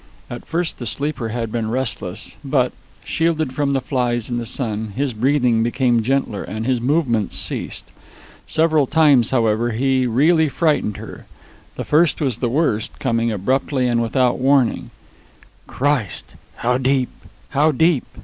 At first the sleeper had been restless, but, shielded from the flies and the sun, his breathing became gentler and his movements ceased. Several times, however, he really frightened her. The first was the worst, coming abruptly and without warning. "Christ! How deep! How deep!"